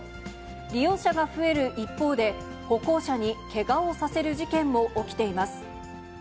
利用者が増える一方で、歩行者にけがをさせる事件も起きています。